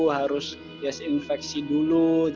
harus bias infeksi dulu